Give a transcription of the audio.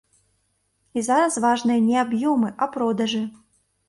І зараз важныя не аб'ёмы, а продажы.